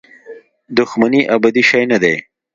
دښمني ابدي شی نه دی.